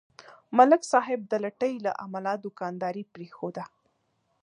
ملک صاحب د لټۍ له امله دوکانداري پرېښوده.